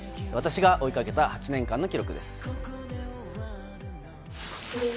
私が追いかけた８年間の記録です。